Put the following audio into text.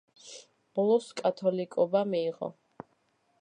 ბოლოს კათოლიკობა მიიღო.